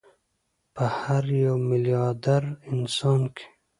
په هر یو میلیارد انسان کې